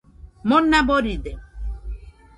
Mona boride